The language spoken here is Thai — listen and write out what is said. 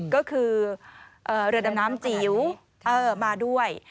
ก็คือเรือดำน้ำจิ๋วมาด้วย